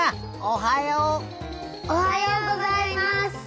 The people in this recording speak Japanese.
おはようございます。